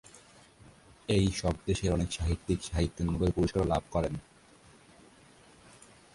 এই সব দেশের অনেক সাহিত্যিক সাহিত্যে নোবেল পুরস্কারও লাভ করেন।